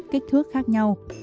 kích thước khác nhau